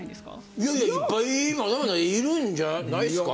いやいやいっぱいまだまだいるんじゃないっすか？